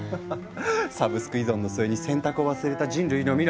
サブスク依存の末に選択を忘れた人類の未来。